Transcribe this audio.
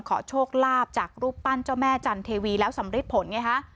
ขอโชคลาภจากรูปปั้นเจ้าแม่จันเทวีแล้วสำริดผลไงฮะ